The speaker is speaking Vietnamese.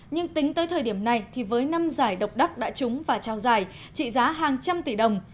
nhưng tính tới thời điểm này thì với năm giải độc đắc đã trúng và trao giải trị giá hàng trăm tỷ đồng